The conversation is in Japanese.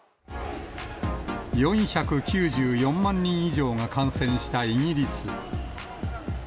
４９４万人以上が感染したイギリス。